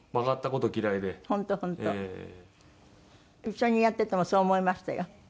一緒にやっててもそう思いましたよ。